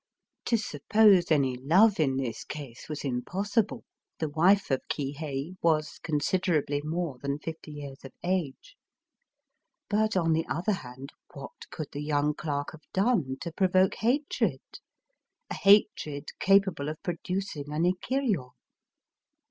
To suppose any love in this case was impossible; — the wife of Kihei was considerably more than fifty years of age. But, on the other hand, what could the young clerk have done to provoke hatred, — a hatred capable of producing an ikiryo ?